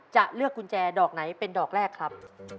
จะเลือกกุญแจดอกไหนเป็นดอกแรกครับ